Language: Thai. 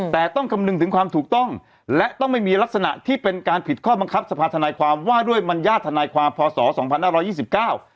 แต่ต้องคำนึงถึงความถูกต้องและต้องไม่มีลักษณะที่เป็นการผิดข้อบังคับสภาธนายความว่าด้วยมัญญาติทนายความพศสองพันห้าร้อยยี่สิบเก้า